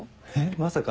まさか。